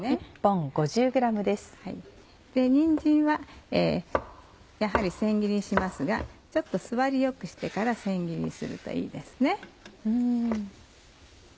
にんじんはやはり千切りにしますが据わりよくしてから千切りにするといいですね。